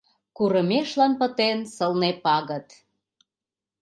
Курымешлан пытен сылне пагыт.